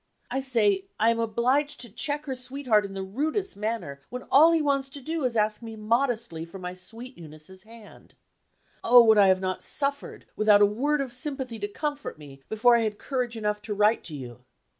I say I am obliged to cheek her sweetheart in the rudest manner, when all he wants to do is to ask me modestly for my sweet Eunice's hand. Oh, what have I not suffered, without a word of sympathy to comfort me, before I had courage enough to write to you!